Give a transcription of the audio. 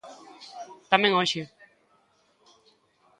Tamén hoxe.